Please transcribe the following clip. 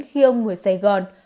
khi ông mùa sài gòn